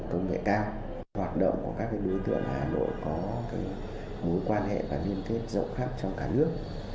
công nghệ cao hoạt động của các đối tượng ở hà nội có mối quan hệ và liên kết rộng khắp trong cả nước